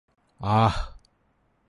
ആഹ്